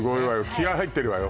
気合入ってるわよ